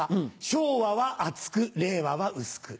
昭和は厚く令和は薄く。